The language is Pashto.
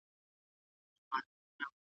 وار په وار پورته كېدله آوازونه ,